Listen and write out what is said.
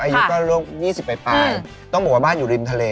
อายุก็๒๐ปลายต้องบอกว่าบ้านอยู่ริมทะเล